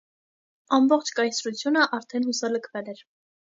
Ամբողջ կայսրությունը արդեն հուսալքվել էր։